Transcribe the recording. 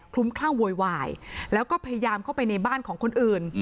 ลุ้มคลั่งโวยวายแล้วก็พยายามเข้าไปในบ้านของคนอื่น